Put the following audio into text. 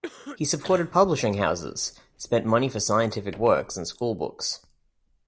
He supported publishing houses, spent money for scientific works and school books.